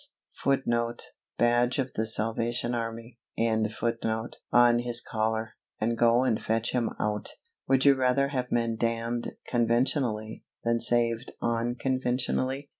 [Footnote: Badge of the Salvation Army.] on his collar, and go and fetch him out? Would you rather have men damned conventionally, than saved unconventionally?